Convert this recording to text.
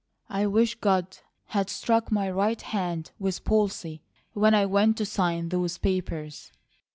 I wish God had struck my right hand with palsy, when I went to sign those papers."